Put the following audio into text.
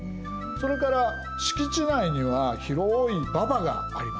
それから敷地内には広い馬場があります。